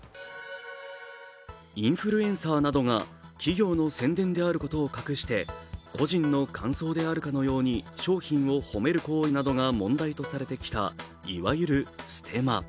インフルエンサーなどが企業の宣伝であることを隠して個人の感想であるかのように商品を褒める行為などが問題となってきたいわゆるステマ。